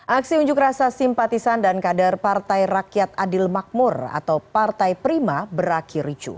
aksi unjuk rasa simpatisan dan kader partai rakyat adil makmur atau partai prima berakhir ricu